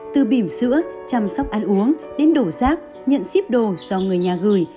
từ bìm sữa chăm sóc ăn uống đến đổ rác nhận ship đồ do người nhà gửi